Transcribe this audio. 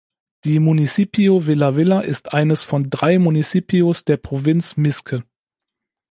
Das Municipio Vila Vila ist eines von drei Municipios der Provinz Mizque.